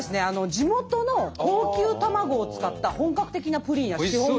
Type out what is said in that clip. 地元の高級卵を使った本格的なプリンやシフォンケーキが。